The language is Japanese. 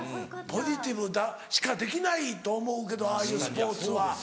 ポジティブしかできないと思うけどああいうスポーツは。